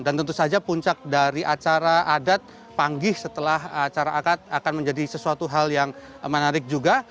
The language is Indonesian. dan tentu saja puncak dari acara adat panggih setelah acara akad akan menjadi sesuatu hal yang menarik juga